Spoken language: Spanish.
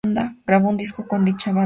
Grabó un disco con dicha banda.